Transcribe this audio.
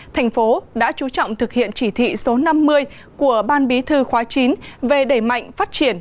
thành phố đã chú trọng thực hiện chỉ thị số năm mươi của ban bí thư khóa chín về đẩy mạnh phát triển